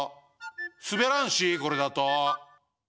すべらんしこれだと。